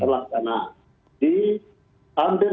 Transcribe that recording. karena di hampir